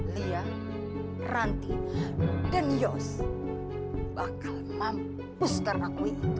lia ranty dan yos bakal mampus terakui itu